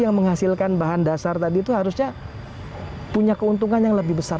yang menghasilkan bahan dasar tadi itu harusnya punya keuntungan yang lebih besar